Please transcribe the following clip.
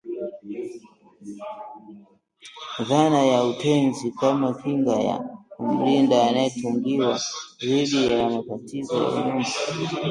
dhana ya utenzi kama kinga ya kumlinda anayetungiwa dhidi ya matatizo ya unyumba